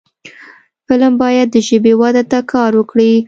فلم باید د ژبې وده ته کار وکړي